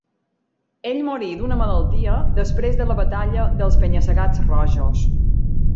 Ell morí d'una malaltia després de la Batalla dels Penya-segats Rojos.